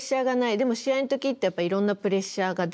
でも試合の時ってやっぱりいろんなプレッシャーが出てくる。